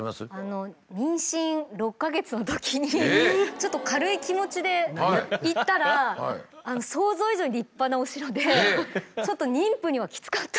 ちょっと軽い気持ちで行ったら想像以上に立派なお城でちょっと妊婦にはキツかった。